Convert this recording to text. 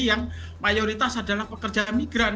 yang mayoritas adalah pekerja migran